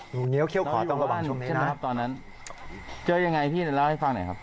หุงเงี๊ยวเข้าขอตรงความชุบแน่น่ะครับตอนนั้นจ้อยอย่างไรพี่เราเล่าให้ฟังไหนครับ